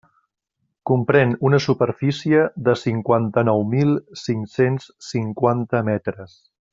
Comprèn una superfície de cinquanta-nou mil cinc-cents cinquanta metres.